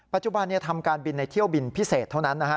ปัจจุบันทำการบินในเที่ยวบินพิเศษเท่านั้นนะฮะ